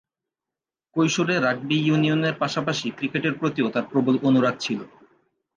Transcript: কৈশোরে রাগবি ইউনিয়নের পাশাপাশি ক্রিকেটের প্রতিও তার প্রবল অনুরাগ ছিল।